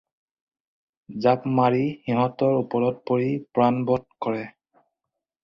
জাপ মাৰি সিহঁতৰ ওপৰত পৰি প্ৰাণবধ কৰে।